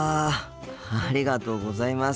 ありがとうございます。